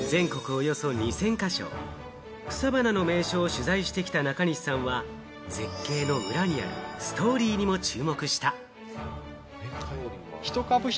およそ２０００か所、草花の名所を取材してきた中西さんは、絶景の裏にあるストーリーにも注目した。